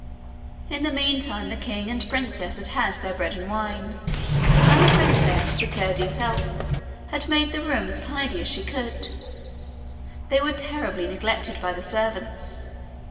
In the meantime the king and the princess had had their bread and wine, and the princess, with Curdie's help, had made the room as tidy as she could they were terribly neglected by the servants.